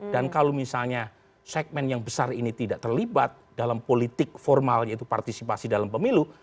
dan kalau misalnya segmen yang besar ini tidak terlibat dalam politik formal yaitu partisipasi dalam pemilu